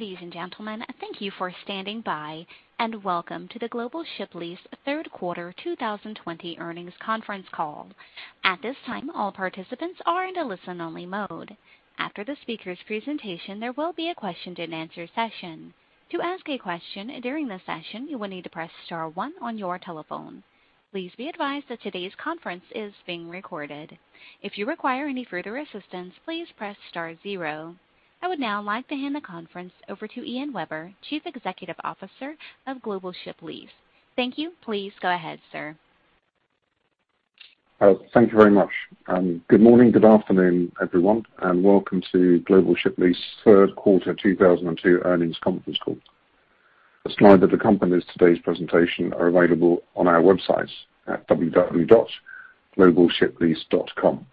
Ladies and gentlemen, thank you for standing by, and welcome to the Global Ship Lease Q3 2020 earnings conference call. At this time, all participants are in a listen-only mode. After the speaker's presentation, there will be a question-and-answer session. To ask a question during the session, you will need to press star one on your telephone. Please be advised that today's conference is being recorded. If you require any further assistance, please press star zero. I would now like to hand the conference over to Ian Webber, Chief Executive Officer of Global Ship Lease. Thank you. Please go ahead, sir. Thank you very much. Good morning, good afternoon, everyone, and welcome to Global Ship Lease Q3 2022 earnings conference call. Slides of the company's today's presentation are available on our website at www.globalshiplease.com.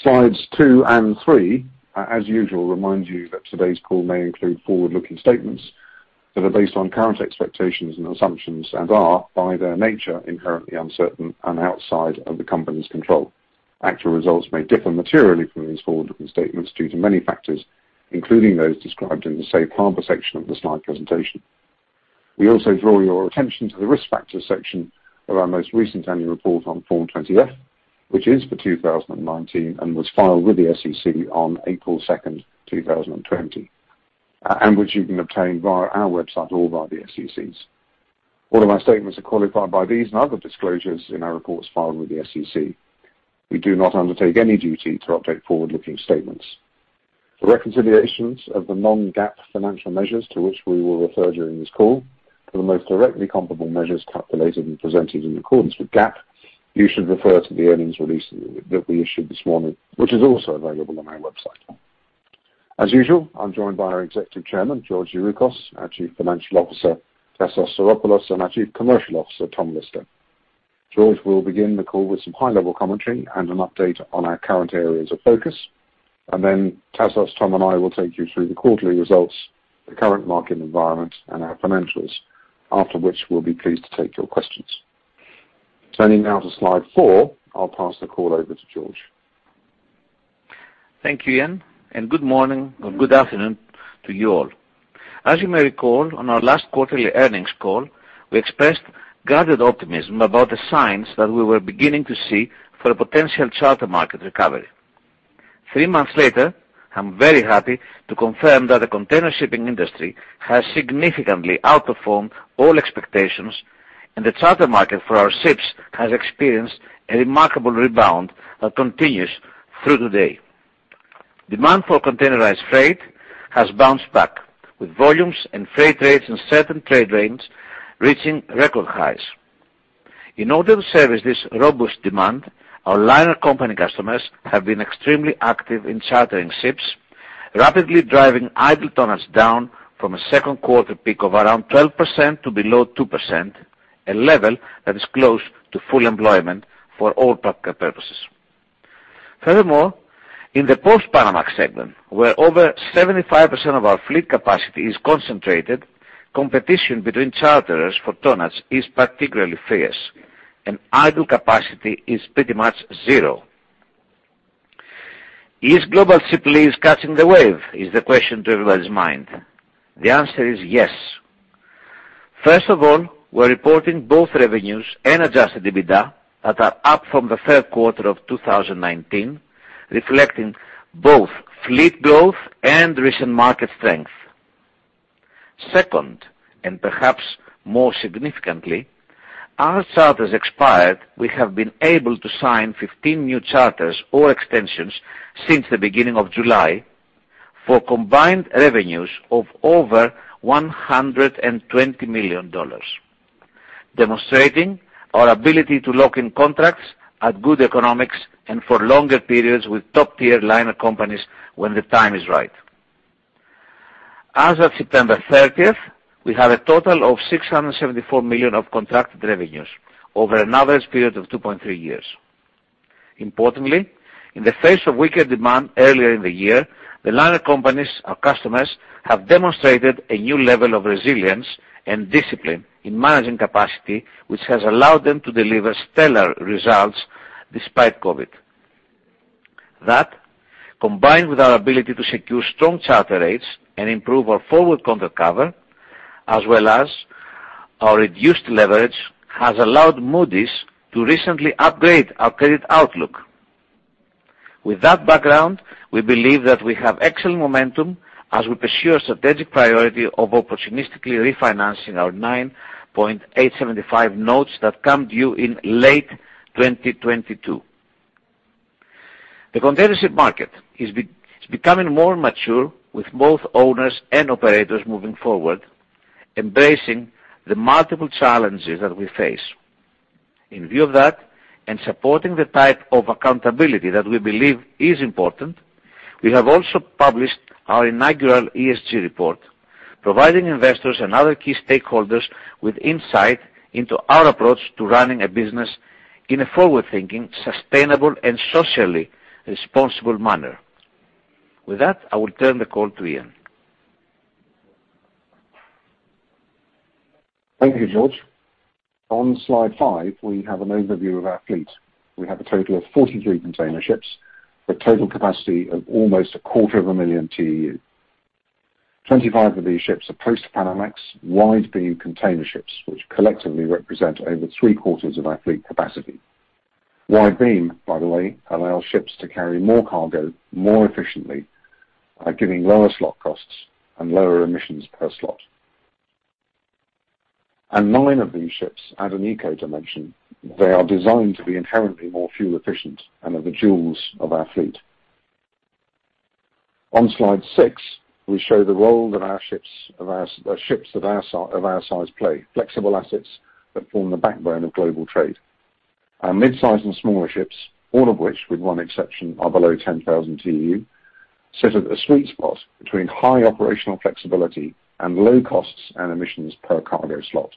Slides two and three, as usual, remind you that today's call may include forward-looking statements that are based on current expectations and assumptions and are, by their nature, inherently uncertain and outside of the company's control. Actual results may differ materially from these forward-looking statements due to many factors, including those described in the safe harbor section of the slide presentation. We also draw your attention to the risk factors section of our most recent annual report on Form 20-F, which is for 2019 and was filed with the SEC on April 2nd, 2020, and which you can obtain via our website or via the SEC's. All of our statements are qualified by these and other disclosures in our reports filed with the SEC. We do not undertake any duty to update forward-looking statements. For reconciliations of the non-GAAP financial measures to which we will refer during this call, for the most directly comparable measures calculated and presented in accordance with GAAP, you should refer to the earnings release that we issued this morning, which is also available on our website. As usual, I'm joined by our Executive Chairman, George Youroukos, our Chief Financial Officer, Tassos Psaropoulos, and our Chief Commercial Officer, Tom Lister. George will begin the call with some high-level commentary and an update on our current areas of focus, and then Tassos, Tom, and I will take you through the quarterly results, the current market environment, and our financials, after which we'll be pleased to take your questions. Turning now to slide four, I'll pass the call over to George. Thank you, Ian, and good morning or good afternoon to you all. As you may recall, on our last quarterly earnings call, we expressed guided optimism about the signs that we were beginning to see for a potential charter market recovery. Three months later, I'm very happy to confirm that the container shipping industry has significantly outperformed all expectations, and the charter market for our ships has experienced a remarkable rebound that continues through today. Demand for containerized freight has bounced back, with volumes and freight rates in certain trade lanes reaching record highs. In order to service this robust demand, our liner company customers have been extremely active in chartering ships, rapidly driving idle tonnage down from a Q2 peak of around 12% to below 2%, a level that is close to full employment for all purposes. Furthermore, in the post-Panamax segment, where over 75% of our fleet capacity is concentrated, competition between charterers for tonnage is particularly fierce, and idle capacity is pretty much zero. Is Global Ship Lease catching the wave? Is the question to everybody's mind. The answer is yes. First of all, we're reporting both revenues and Adjusted EBITDA that are up from the Q3 of 2019, reflecting both fleet growth and recent market strength. Second, and perhaps more significantly, our charters expired. We have been able to sign 15 new charters or extensions since the beginning of July for combined revenues of over $120 million, demonstrating our ability to lock in contracts at good economics and for longer periods with top-tier liner companies when the time is right. As of September 30th, we have a total of $674 million of contracted revenues over an average period of 2.3 years. Importantly, in the face of weaker demand earlier in the year, the liner companies, our customers, have demonstrated a new level of resilience and discipline in managing capacity, which has allowed them to deliver stellar results despite COVID. That, combined with our ability to secure strong charter rates and improve our forward contract cover, as well as our reduced leverage, has allowed Moody's to recently upgrade our credit outlook. With that background, we believe that we have excellent momentum as we pursue our strategic priority of opportunistically refinancing our 9.875 notes that come due in late 2022. The container ship market is becoming more mature, with both owners and operators moving forward, embracing the multiple challenges that we face. In view of that and supporting the type of accountability that we believe is important, we have also published our inaugural ESG report, providing investors and other key stakeholders with insight into our approach to running a business in a forward-thinking, sustainable, and socially responsible manner. With that, I will turn the call to Ian. Thank you, George. On slide five, we have an overview of our fleet. We have a total of 43 container ships, a total capacity of almost a quarter of a million TEU. 25 of these ships are post-Panamax wide beam container ships, which collectively represent over three quarters of our fleet capacity. Wide beam, by the way, allows ships to carry more cargo more efficiently, giving lower slot costs and lower emissions per slot. And nine of these ships add an eco dimension. They are designed to be inherently more fuel efficient and are the jewels of our fleet. On slide six, we show the role that our ships of our size play, flexible assets that form the backbone of global trade. Our mid-size and smaller ships, all of which, with one exception, are below 10,000 TEU, sit at a sweet spot between high operational flexibility and low costs and emissions per cargo slot.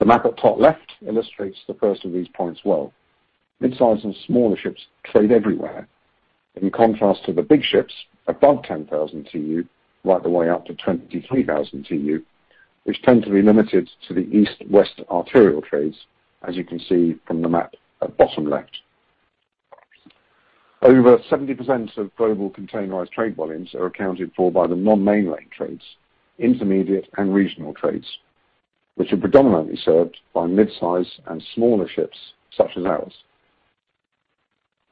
The map at top left illustrates the first of these points well. Mid-size and smaller ships trade everywhere, in contrast to the big ships above 10,000 TEU, right the way up to 23,000 TEU, which tend to be limited to the east-west arterial trades, as you can see from the map at bottom left. Over 70% of global containerized trade volumes are accounted for by the non-mainline trades, intermediate and regional trades, which are predominantly served by mid-size and smaller ships such as ours.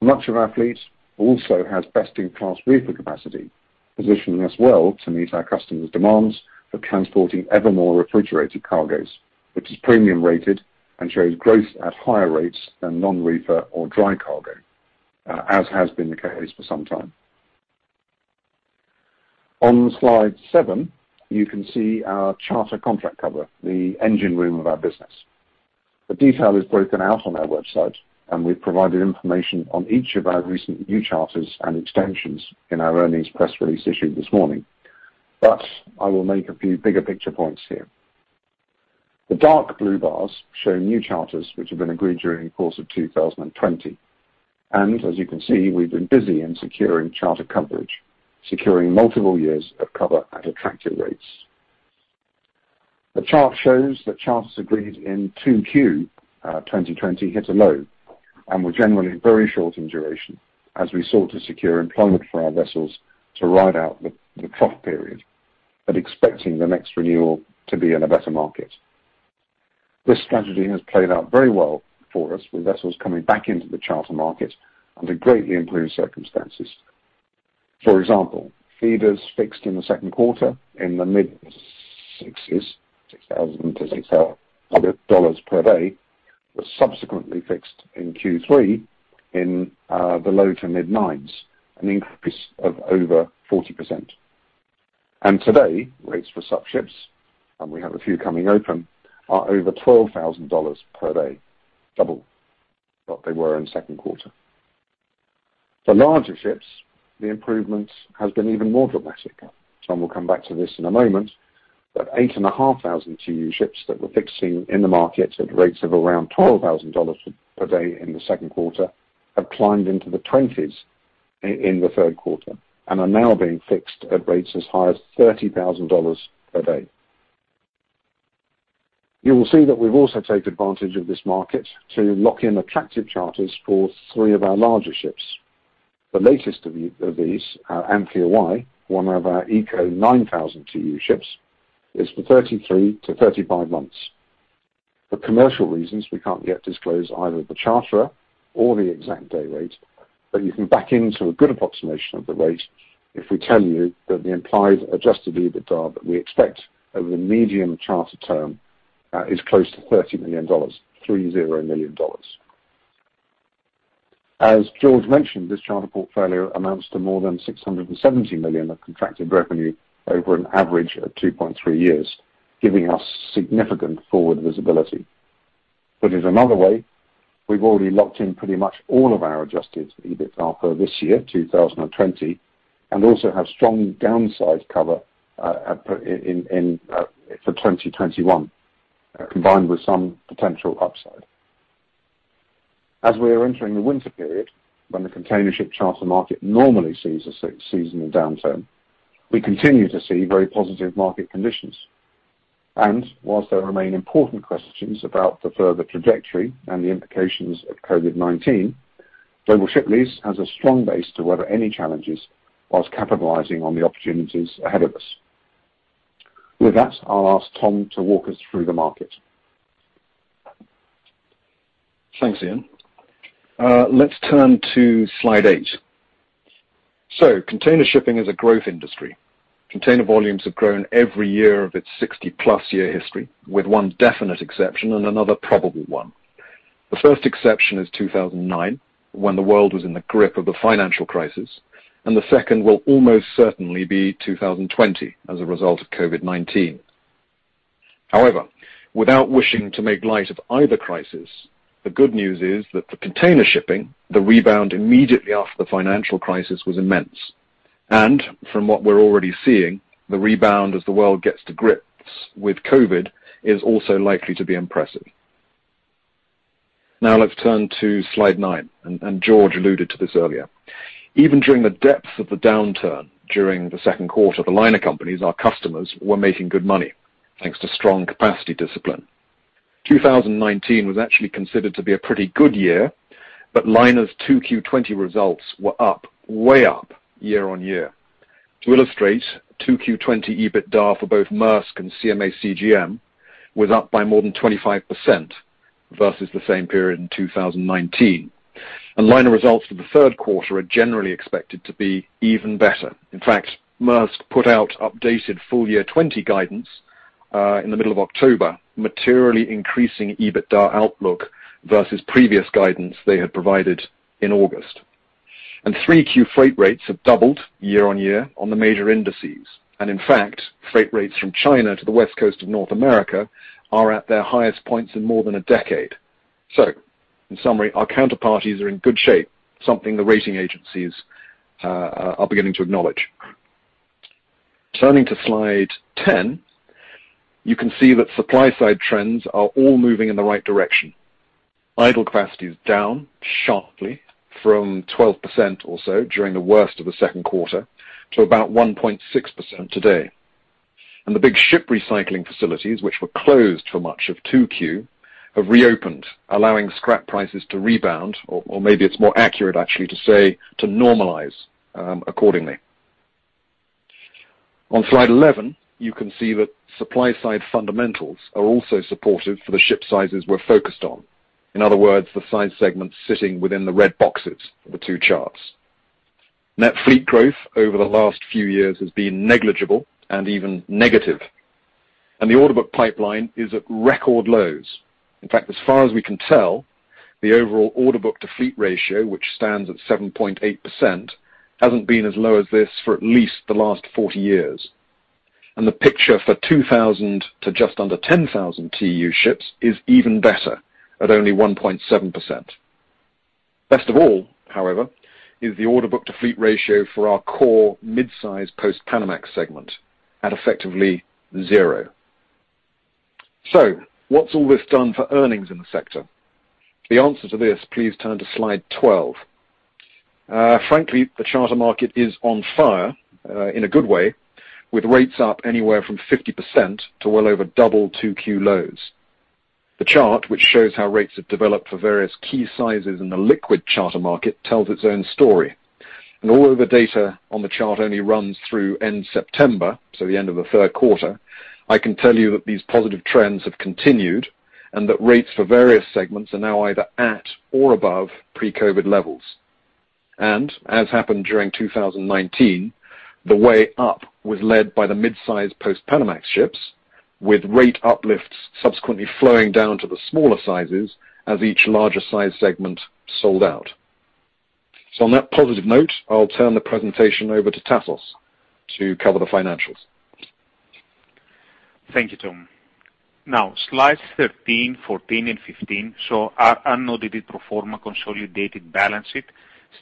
Much of our fleet also has best-in-class reefer capacity, positioning us well to meet our customers' demands for transporting ever more refrigerated cargoes, which is premium rated and shows growth at higher rates than non-reefer or dry cargo, as has been the case for some time. On slide seven, you can see our charter coverage, the engine room of our business. The detail is broken out on our website, and we've provided information on each of our recent new charters and extensions in our earnings press release issued this morning, but I will make a few bigger picture points here. The dark blue bars show new charters which have been agreed during the course of 2020, and as you can see, we've been busy in securing charter coverage, securing multiple years of cover at attractive rates. The chart shows that charters agreed in Q2 2020 hit a low and were generally very short in duration as we sought to secure employment for our vessels to ride out the trough period, but expecting the next renewal to be in a better market. This strategy has played out very well for us, with vessels coming back into the charter market under greatly improved circumstances. For example, feeders fixed in the Q2 in the mid-sixes, $6,000-$6,000 per day, were subsequently fixed in Q3 in the low to mid-nines, an increase of over 40%, and today, rates for subships, and we have a few coming open, are over $12,000 per day, double what they were in Q2. For larger ships, the improvement has been even more dramatic. Tom will come back to this in a moment, but 8,500 TEU ships that were fixing in the market at rates of around $12,000 per day in the Q2 have climbed into the twenties in the Q3 and are now being fixed at rates as high as $30,000 per day. You will see that we've also taken advantage of this market to lock in attractive charters for three of our larger ships. The latest of these, our Anthea Y, one of our Eco 9,000 TEU ships, is for 33 to 35 months. For commercial reasons, we can't yet disclose either the charter or the exact day rate, but you can back into a good approximation of the rate if we tell you that the implied Adjusted EBITDA that we expect over the medium charter term is close to $30 million, $30 million. As George mentioned, this charter portfolio amounts to more than $670 million of contracted revenue over an average of 2.3 years, giving us significant forward visibility. Put it another way, we've already locked in pretty much all of our Adjusted EBITDA for this year, 2020, and also have strong downside cover for 2021, combined with some potential upside. As we are entering the winter period, when the container ship charter market normally sees a seasonal downturn, we continue to see very positive market conditions. And while there remain important questions about the further trajectory and the implications of COVID-19, Global Ship Lease has a strong base to weather any challenges while capitalizing on the opportunities ahead of us. With that, I'll ask Tom to walk us through the market. Thanks, Ian. Let's turn to slide eight. So container shipping is a growth industry. Container volumes have grown every year of its 60-plus year history, with one definite exception and another probable one. The first exception is 2009, when the world was in the grip of the financial crisis, and the second will almost certainly be 2020 as a result of COVID-19. However, without wishing to make light of either crisis, the good news is that for container shipping, the rebound immediately after the financial crisis was immense. And from what we're already seeing, the rebound as the world gets to grips with COVID is also likely to be impressive. Now let's turn to slide nine, and George alluded to this earlier. Even during the depths of the downturn during the Q2, the liner companies, our customers, were making good money thanks to strong capacity discipline. 2019 was actually considered to be a pretty good year, but Q2 results were up, way up, year on year. To illustrate, Q2 EBITDA for both Maersk and CMA CGM was up by more than 25% versus the same period in 2019. And Q3 results for the Q3 are generally expected to be even better. In fact, Maersk put out updated full year 2020 guidance in the middle of October, materially increasing EBITDA outlook versus previous guidance they had provided in August. And Q3 freight rates have doubled year on year on the major indices. And in fact, freight rates from China to the West Coast of North America are at their highest points in more than a decade. So in summary, our counterparties are in good shape, something the rating agencies are beginning to acknowledge. Turning to slide 10, you can see that supply side trends are all moving in the right direction. Idle capacity is down sharply from 12% or so during the worst of the Q2 to about 1.6% today, and the big ship recycling facilities, which were closed for much of Q2, have reopened, allowing scrap prices to rebound, or maybe it's more accurate actually to say to normalize accordingly. On slide 11, you can see that supply side fundamentals are also supportive for the ship sizes we're focused on. In other words, the size segments sitting within the red boxes of the two charts. Net fleet growth over the last few years has been negligible and even negative, and the order book pipeline is at record lows. In fact, as far as we can tell, the overall order book to fleet ratio, which stands at 7.8%, hasn't been as low as this for at least the last 40 years. And the picture for 2,000 to just under 10,000 TEU ships is even better at only 1.7%. Best of all, however, is the order book to fleet ratio for our core mid-size Post-Panamax segment at effectively zero. So what's all this done for earnings in the sector? The answer to this, please turn to slide 12. Frankly, the charter market is on fire in a good way, with rates up anywhere from 50% to well over double Q2 lows. The chart, which shows how rates have developed for various key sizes in the liquid charter market, tells its own story. And all of the data on the chart only runs through end September, so the end of the Q3. I can tell you that these positive trends have continued and that rates for various segments are now either at or above pre-COVID levels. And as happened during 2019, the way up was led by the mid-size Post-Panamax ships, with rate uplifts subsequently flowing down to the smaller sizes as each larger size segment sold out. So on that positive note, I'll turn the presentation over to Tassos to cover the financials. Thank you, Tom. Now slides thirteen, fourteen, and fifteen show unaudited performance, consolidated balance sheet,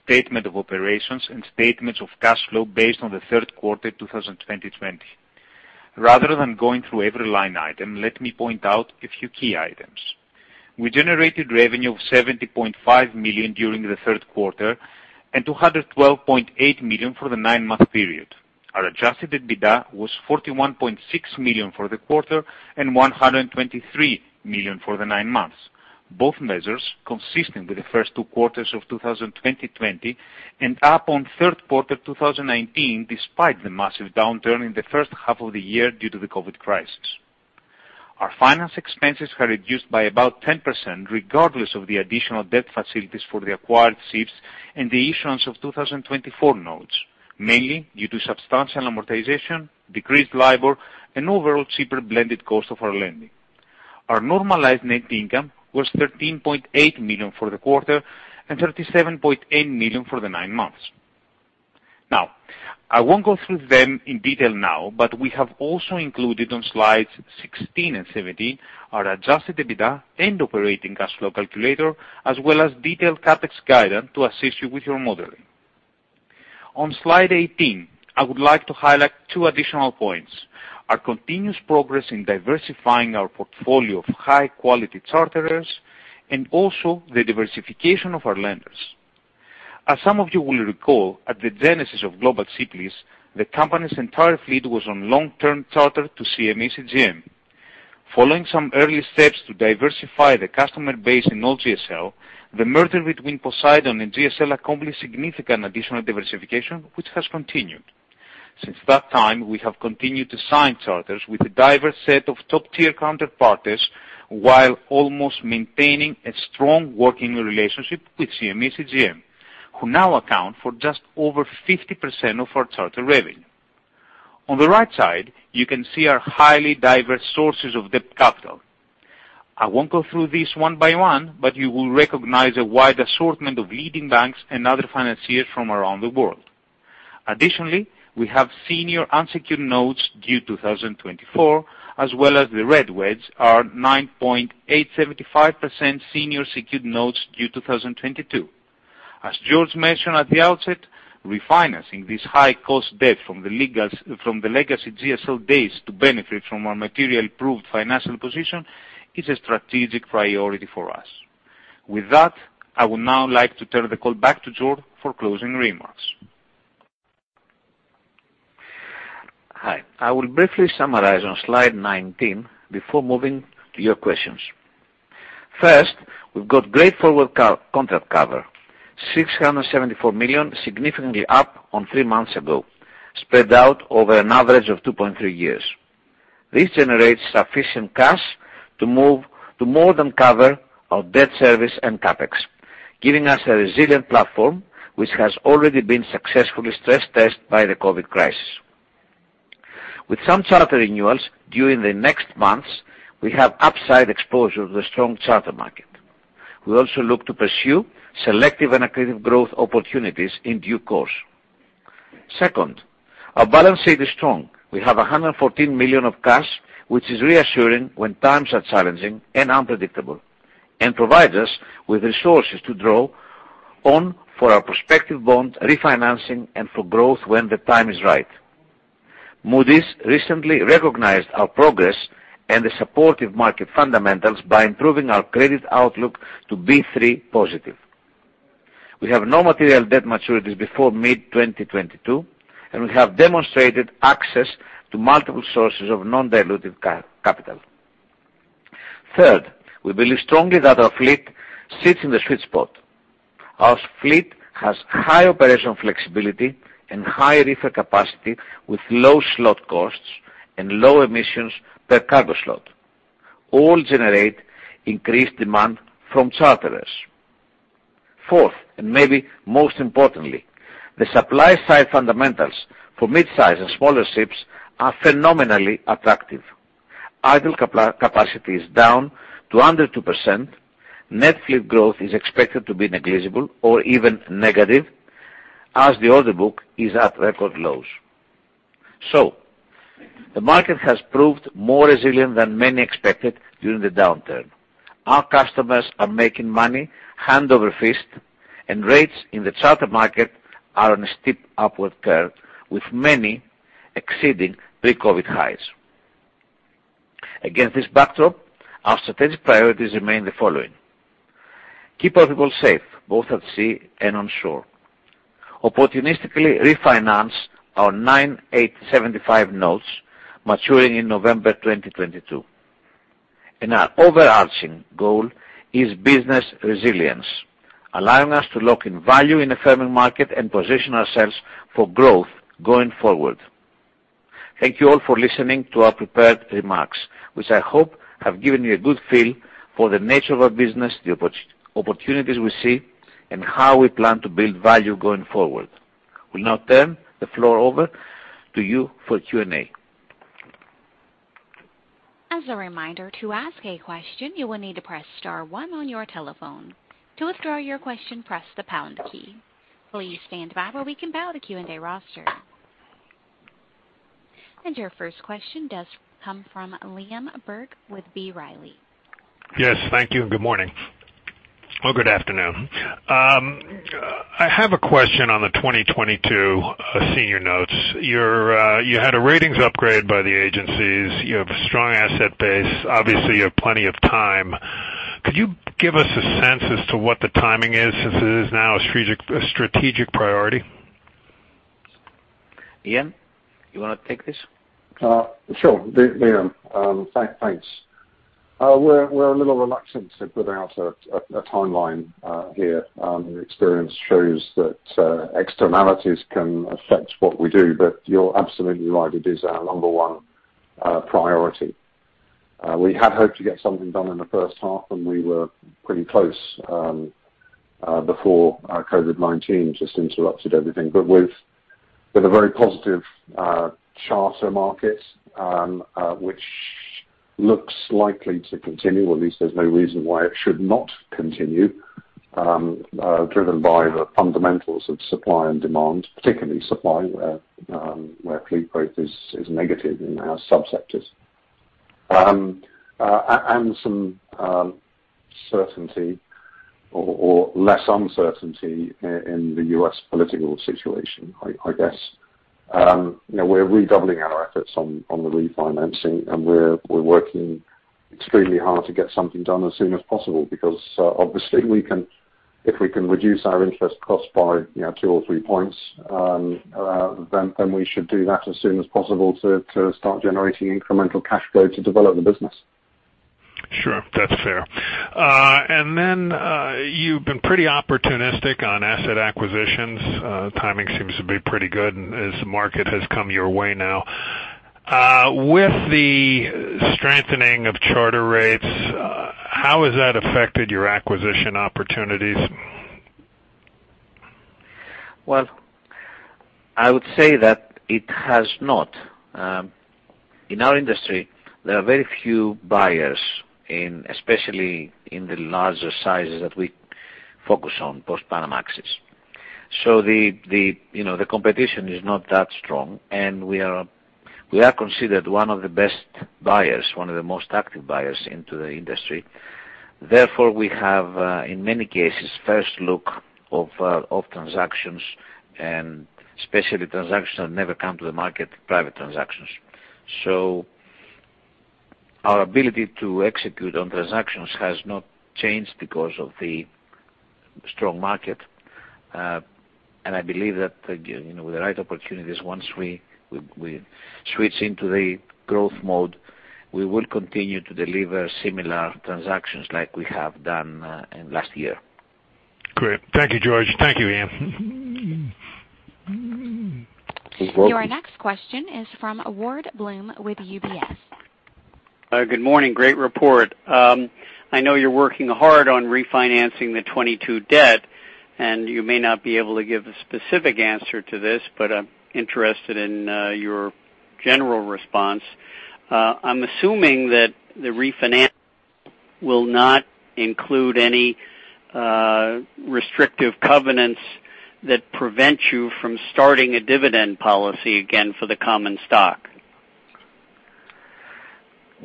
statement of operations, and statements of cash flow based on the Q3 2020. Rather than going through every line item, let me point out a few key items. We generated revenue of $70.5 million during the Q3 and $212.8 million for the nine-month period. Our Adjusted EBITDA was $41.6 million for the quarter and $123 million for the nine months, both measures consistent with the first two quarters of 2020 and up on Q3 2019, despite the massive downturn in the first half of the year due to the COVID crisis. Our finance expenses have reduced by about 10%, regardless of the additional debt facilities for the acquired ships and the issuance of 2024 notes, mainly due to substantial amortization, decreased LIBOR, and overall cheaper blended cost of our lending. Our normalized net income was $13.8 million for the quarter and $37.8 million for the nine months. Now, I won't go through them in detail now, but we have also included on slides sixteen and seventeen our Adjusted EBITDA and operating cash flow calculator, as well as detailed CapEx guidance to assist you with your modeling. On slide eighteen, I would like to highlight two additional points: our continuous progress in diversifying our portfolio of high-quality charterers and also the diversification of our lenders. As some of you will recall, at the genesis of Global Ship Lease, the company's entire fleet was on long-term charter to CMA CGM. Following some early steps to diversify the customer base in old GSL, the merger between Poseidon and GSL accomplished significant additional diversification, which has continued. Since that time, we have continued to sign charters with a diverse set of top-tier counterparties while also maintaining a strong working relationship with CMA CGM, who now account for just over 50% of our charter revenue. On the right side, you can see our highly diverse sources of debt capital. I won't go through these one by one, but you will recognize a wide assortment of leading banks and other financiers from around the world. Additionally, we have senior unsecured notes due 2024, as well as the red wedge, our 9.875% senior secured notes due 2022. As George mentioned at the outset, refinancing this high-cost debt from the legacy GSL days to benefit from our materially improved financial position is a strategic priority for us. With that, I would now like to turn the call back to George for closing remarks. Hi. I will briefly summarize on slide 19 before moving to your questions. First, we've got great forward contract cover, $674 million, significantly up on three months ago, spread out over an average of 2.3 years. This generates sufficient cash to move to more than cover our debt service and CapEx, giving us a resilient platform which has already been successfully stress-tested by the COVID crisis. With some charter renewals during the next months, we have upside exposure to the strong charter market. We also look to pursue selective and accretive growth opportunities in due course. Second, our balance sheet is strong. We have $114 million of cash, which is reassuring when times are challenging and unpredictable, and provides us with resources to draw on for our prospective bond refinancing and for growth when the time is right. Moody's recently recognized our progress and the supportive market fundamentals by improving our credit outlook to B3 positive. We have no material debt maturities before mid-2022, and we have demonstrated access to multiple sources of non-dilutive capital. Third, we believe strongly that our fleet sits in the sweet spot. Our fleet has high operational flexibility and high reefer capacity with low slot costs and low emissions per cargo slot. All generate increased demand from charterers. Fourth, and maybe most importantly, the supply side fundamentals for mid-size and smaller ships are phenomenally attractive. Idle capacity is down to under 2%. Net fleet growth is expected to be negligible or even negative, as the order book is at record lows, so the market has proved more resilient than many expected during the downturn. Our customers are making money hand over fist, and rates in the charter market are on a steep upward curve, with many exceeding pre-COVID highs. Against this backdrop, our strategic priorities remain the following: keep our people safe, both at sea and on shore, opportunistically refinance our 9.875 notes maturing in November 2022, and our overarching goal is business resilience, allowing us to lock in value in a firming market and position ourselves for growth going forward. Thank you all for listening to our prepared remarks, which I hope have given you a good feel for the nature of our business, the opportunities we see, and how we plan to build value going forward. We'll now turn the floor over to you for Q&A. As a reminder, to ask a question, you will need to press star one on your telephone. To withdraw your question, press the pound key. Please stand by while we compile the Q&A roster. And your first question does come from Liam Burke with B. Riley. Yes, thank you. Good morning or good afternoon. I have a question on the 2022 senior notes. You had a ratings upgrade by the agencies. You have a strong asset base. Obviously, you have plenty of time. Could you give us a sense as to what the timing is since it is now a strategic priority? Ian, you want to take this? Sure. Liam, thanks. We're a little reluctant to put out a timeline here. Experience shows that externalities can affect what we do, but you're absolutely right. It is our number one priority. We had hoped to get something done in the first half, and we were pretty close before COVID-19 just interrupted everything. But with a very positive charter market, which looks likely to continue, or at least there's no reason why it should not continue, driven by the fundamentals of supply and demand, particularly supply where fleet growth is negative in our subsectors, and some certainty or less uncertainty in the U.S. political situation, I guess. We're redoubling our efforts on the refinancing, and we're working extremely hard to get something done as soon as possible because, obviously, if we can reduce our interest cost by two or three points, then we should do that as soon as possible to start generating incremental cash flow to develop the business. Sure. That's fair. And then you've been pretty opportunistic on asset acquisitions. Timing seems to be pretty good as the market has come your way now. With the strengthening of charter rates, how has that affected your acquisition opportunities? I would say that it has not. In our industry, there are very few buyers, especially in the larger sizes that we focus on, Post-Panamaxes. The competition is not that strong, and we are considered one of the best buyers, one of the most active buyers into the industry. Therefore, we have, in many cases, first look of transactions, and especially transactions that never come to the market, private transactions. Our ability to execute on transactions has not changed because of the strong market. I believe that with the right opportunities, once we switch into the growth mode, we will continue to deliver similar transactions like we have done last year. Great. Thank you, George. Thank you, Ian. Your next question is from Ward Bloom with UBS. Good morning. Great report. I know you're working hard on refinancing the 2022 debt, and you may not be able to give a specific answer to this, but I'm interested in your general response. I'm assuming that the refinancing will not include any restrictive covenants that prevent you from starting a dividend policy again for the common stock.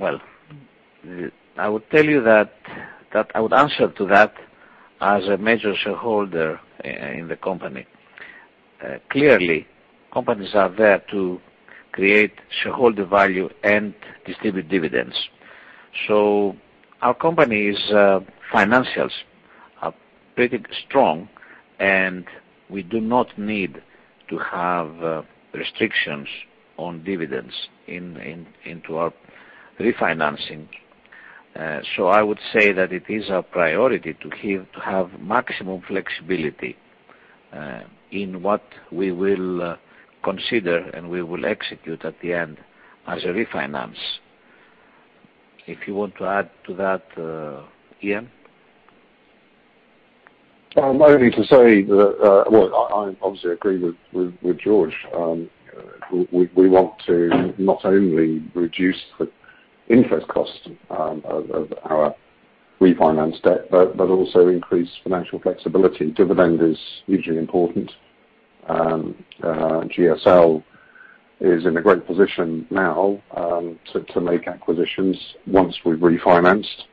I would tell you that I would answer to that as a major shareholder in the company. Clearly, companies are there to create shareholder value and distribute dividends. So our company's financials are pretty strong, and we do not need to have restrictions on dividends into our refinancing. So I would say that it is our priority to have maximum flexibility in what we will consider and we will execute at the end as a refinance. If you want to add to that, Ian. I need to say that, well, I obviously agree with George. We want to not only reduce the interest cost of our refinance debt, but also increase financial flexibility. Dividend is hugely important. GSL is in a great position now to make acquisitions once we've refinanced,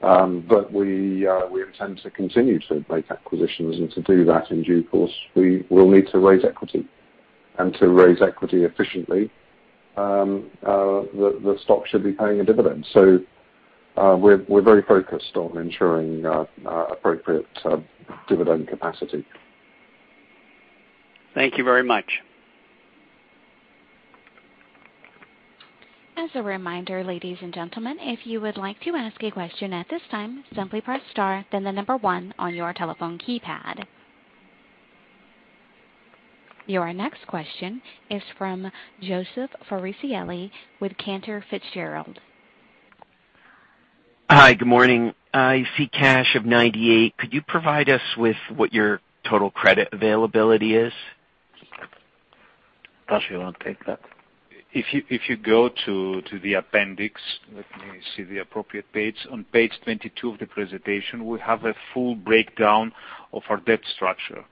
but we intend to continue to make acquisitions and to do that in due course. We will need to raise equity, and to raise equity efficiently, the stock should be paying a dividend. So we're very focused on ensuring appropriate dividend capacity. Thank you very much. As a reminder, ladies and gentlemen, if you would like to ask a question at this time, simply press star then the number one on your telephone keypad. Your next question is from Joseph Nelson with Cantor Fitzgerald. Hi. Good morning. I see cash of $98. Could you provide us with what your total credit availability is? If you want to take that. If you go to the appendix, let me see the appropriate page. On page 22 of the presentation, we have a full breakdown of our debt structure.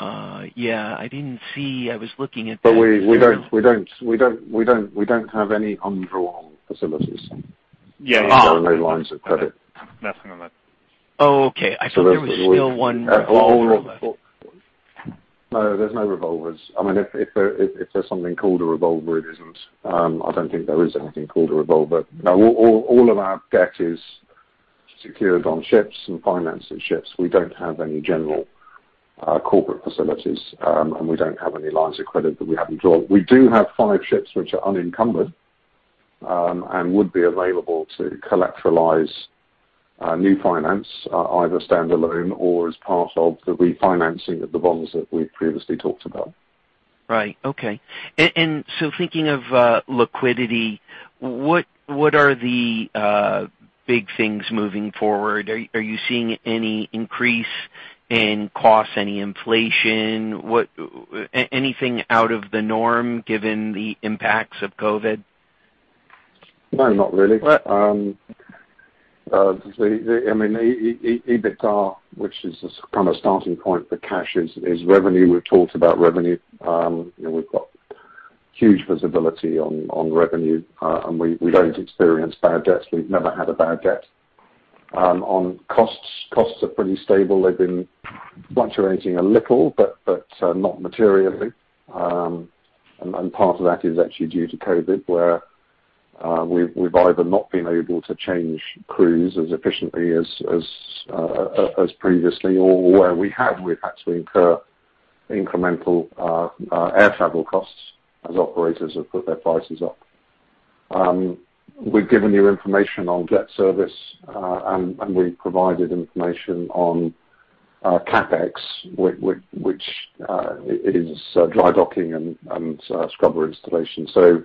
Yeah. I didn't see. I was looking at the. But we don't have any underwritten facilities. There are no lines of credit. Nothing on that. Oh, okay. I thought there was still one revolver. No, there's no revolvers. I mean, if there's something called a revolver, it isn't. I don't think there is anything called a revolver. All of our debt is secured on ships and financing ships. We don't have any general corporate facilities, and we don't have any lines of credit that we haven't drawn. We do have five ships which are unencumbered and would be available to collateralize new finance, either standalone or as part of the refinancing of the bonds that we've previously talked about. Right. Okay. And so thinking of liquidity, what are the big things moving forward? Are you seeing any increase in costs, any inflation, anything out of the norm given the impacts of COVID? No, not really. I mean, EBITDA, which is kind of a starting point for cash, is revenue. We've talked about revenue. We've got huge visibility on revenue, and we don't experience bad debts. We've never had a bad debt. On costs, costs are pretty stable. They've been fluctuating a little, but not materially. And part of that is actually due to COVID, where we've either not been able to change crews as efficiently as previously, or where we have, we've had to incur incremental air travel costs as operators have put their prices up. We've given you information on debt service, and we've provided information on CapEx, which is dry docking and scrubber installation. So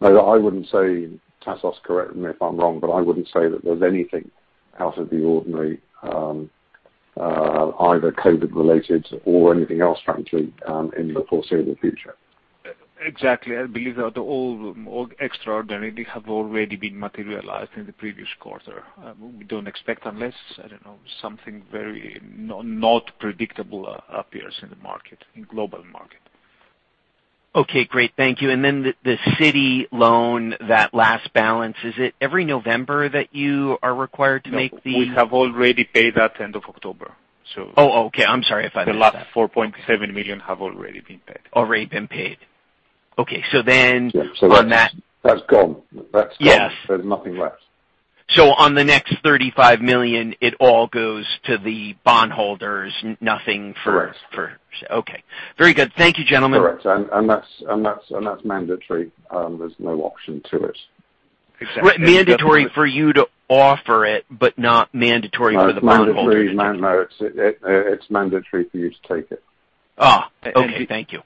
I wouldn't say, Tassos, correct me if I'm wrong, but I wouldn't say that there's anything out of the ordinary, either COVID-related or anything else frankly, in the foreseeable future. Exactly. I believe that all extraordinary have already been materialized in the previous quarter. We don't expect, unless, I don't know, something very unpredictable appears in the market, in global market. Okay. Great. Thank you. And then the Citi loan, that last balance, is it every November that you are required to make the? We have already paid that, end of October, so. Oh, okay. I'm sorry if I missed that. The last $4.7 million have already been paid. Already been paid. Okay. So then on that. That's gone. That's gone. There's nothing left. So on the next $35 million, it all goes to the bondholders, nothing for. Correct. Okay. Very good. Thank you, gentlemen. Correct, and that's mandatory. There's no option to it. Mandatory for you to offer it, but not mandatory for the bondholders. No, it's mandatory for you to take it. Oh, okay. Thank you.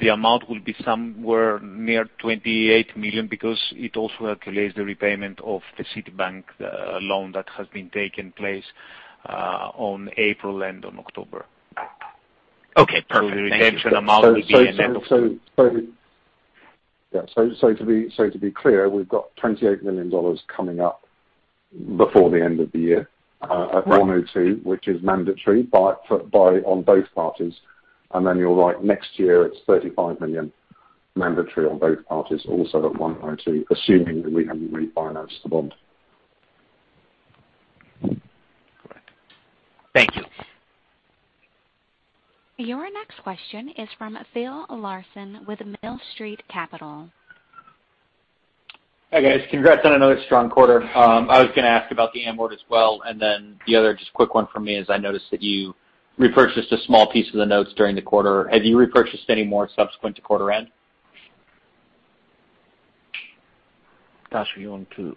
The amount will be somewhere near $28 million because it also accrues the repayment of the Citibank loan that has been taking place on April and on October. Okay. Perfect. So the retention amount will be an end of. Yeah. So to be clear, we've got $28 million coming up before the end of the year at 102, which is mandatory on both parties. And then you're right. Next year, it's $35 million mandatory on both parties, also at 102, assuming that we haven't refinanced the bond. Correct. Thank you. Your next question is from Phil Larson with Millstreet Capital. Hey, guys. Congrats on another strong quarter. I was going to ask about the Anthea Y as well. And then the other just quick one from me is I noticed that you repurchased a small piece of the notes during the quarter. Have you repurchased any more subsequent to quarter end? Tassos, you want to?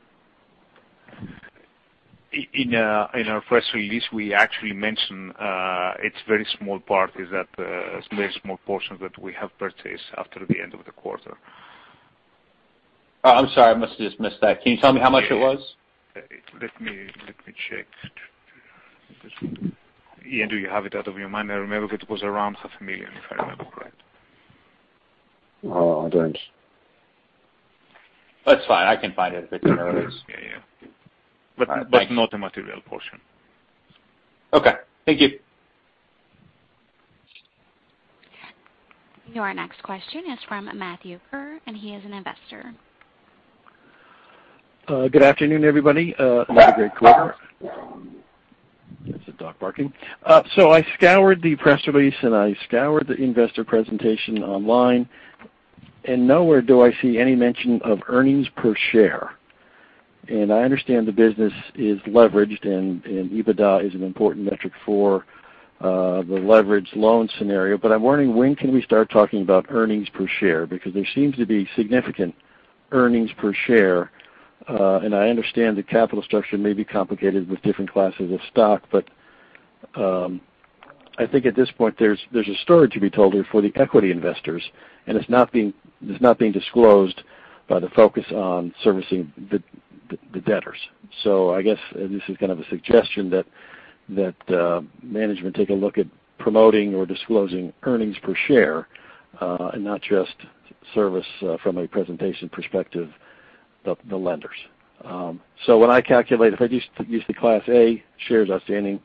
In our first release, we actually mentioned it's very small portions that we have purchased after the end of the quarter. I'm sorry. I must have just missed that. Can you tell me how much it was? Let me check. Ian, do you have it out of your mind? I remember it was around $500,000, if I remember correct. I don't. That's fine. I can find it if it's in earlier. but not the material portion. Okay. Thank you. Your next question is from Matthew Kerr, and he is an investor. Good afternoon, everybody. Hello. Have a great quarter. That's the dry docking, So I scoured the press release, and I scoured the investor presentation online, and nowhere do I see any mention of Earnings Per Share, and I understand the business is leveraged, and EBITDA is an important metric for the leveraged loan scenario, but I'm wondering when can we start talking about Earnings Per Share? Because there seems to be significant Earnings Per Share, and I understand the capital structure may be complicated with different classes of stock, but I think at this point, there's a story to be told here for the equity investors, and it's not being disclosed by the focus on servicing the debtors, so I guess this is kind of a suggestion that management take a look at promoting or disclosing Earnings Per Share and not just service from a presentation perspective of the lenders. When I calculate, if I just use the Class A shares outstanding,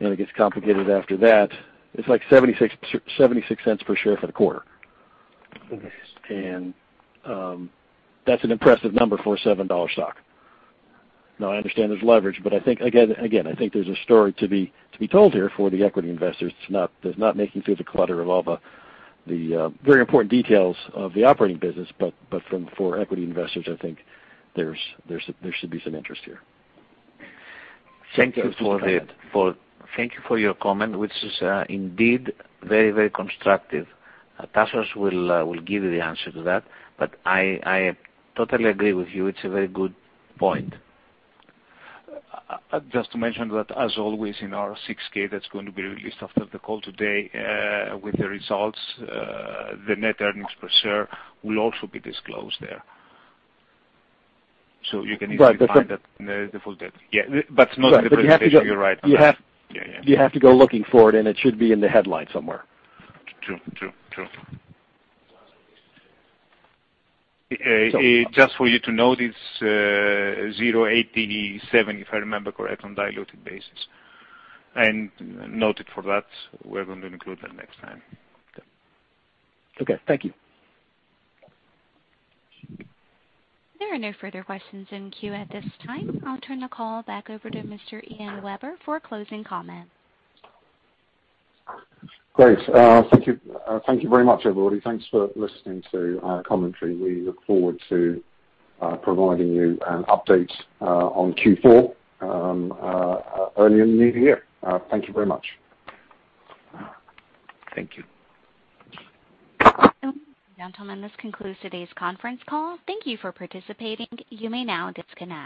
and it gets complicated after that, it's like $0.76 per share for the quarter. That's an impressive number for a $7 stock. Now, I understand there's leverage, but again, I think there's a story to be told here for the equity investors. It's not making through the clutter of all the very important details of the operating business, but for equity investors, I think there should be some interest here. Thank you for your comment, which is indeed very, very constructive. Tassos will give you the answer to that, but I totally agree with you. It's a very good point. Just to mention that, as always, in our 6K that's going to be released after the call today with the results, the net earnings per share will also be disclosed there. So you can easily find that. Right. The full debt. Yeah. But not in the presentation. You're right. You have to go looking for it, and it should be in the headline somewhere. True. True. True. Just for you to know, it's $0.87, if I remember correct, on diluted basis, and note it for that. We're going to include that next time. Okay. Thank you. There are no further questions in queue at this time. I'll turn the call back over to Mr. Ian Webber for closing comment. Great. Thank you very much, everybody. Thanks for listening to our commentary. We look forward to providing you an update on Q4 early in the new year. Thank you very much. Thank you. Gentlemen, this concludes today's conference call. Thank you for participating. You may now disconnect.